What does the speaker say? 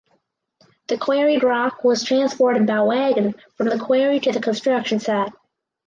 The quarried rock was transported by wagon from the quarry to the construction site.